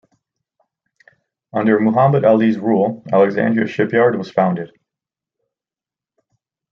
Under Muhammad Ali's rule, Alexandria shipyard was founded.